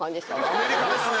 アメリカですね！